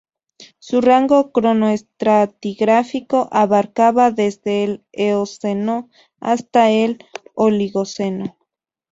Su rango cronoestratigráfico abarcaba desde el Eoceno hasta el Oligoceno.